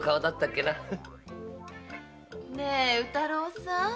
・ねえ宇太郎さん。